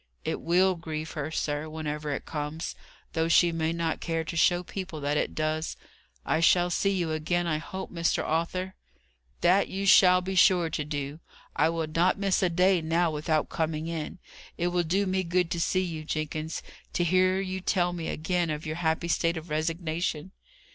It will grieve her, sir, whenever it comes, though she may not care to show people that it does. I shall see you again, I hope, Mr. Arthur?" "That you shall be sure to do. I will not miss a day now, without coming in. It will do me good to see you, Jenkins; to hear you tell me, again, of your happy state of resignation."